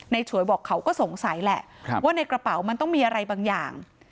ฉวยบอกเขาก็สงสัยแหละว่าในกระเป๋ามันต้องมีอะไรบางอย่าง